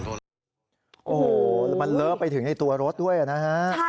โอ้โหมันเลอะไปถึงในตัวรถด้วยนะฮะ